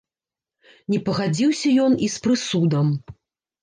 Не пагадзіўся ён і з прысудам.